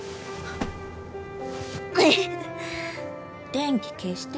電気消して。